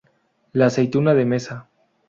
La aceituna de mesa.